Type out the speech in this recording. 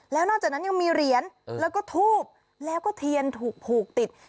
แล้วนอกจากนั้นยังมีเหรียญแล้วก็ทูบแล้วก็เทียนถูกผูกติด